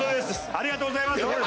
ありがとうございます！